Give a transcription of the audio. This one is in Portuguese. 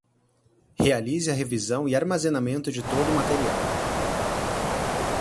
Realize a revisão e armazenamento de todo o material.